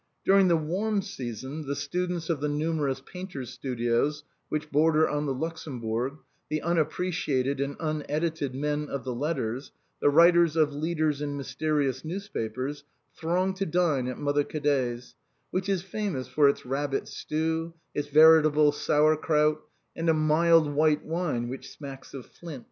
During the warm sea son the students of the numerous painters' studios which border on the Luxembourg, the unappreciated and unedited men of letters, the writers of leaders in mysterious news papers, throng to dine at " Mother Cadet's," which is famous for its rabbit stew, its veritable sour crout, and a mild white wine which smacks of flint.